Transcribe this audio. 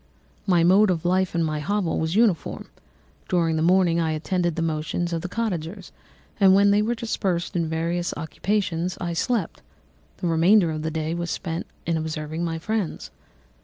"My mode of life in my hovel was uniform. During the morning I attended the motions of the cottagers, and when they were dispersed in various occupations, I slept; the remainder of the day was spent in observing my friends.